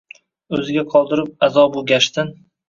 O‘ziga qoldirib azobu gashtin